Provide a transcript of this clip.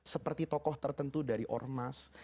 seperti tokoh tertentu dari ormas